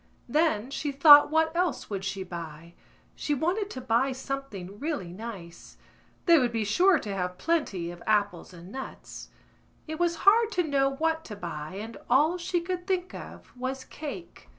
Then she thought what else would she buy: she wanted to buy something really nice. They would be sure to have plenty of apples and nuts. It was hard to know what to buy and all she could think of was cake.